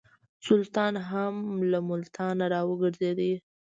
سلطان هم له ملتانه را وګرځېدی.